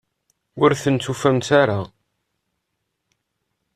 Ur tent-tufamt ara?